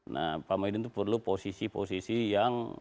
nah pak mahyudin itu perlu posisi posisi yang